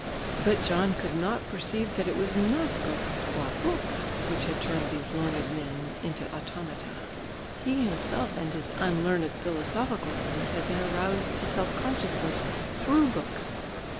But John could not perceive that it was not books quá books which had turned these learned men into automata. He himself and his unlearned philosophical friends had been aroused to self consciousness through books.